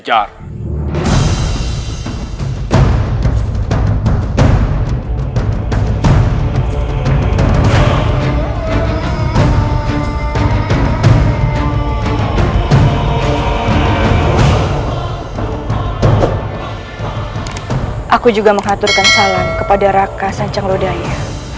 aku juga mengaturkan salam kepada raka sancang lodaya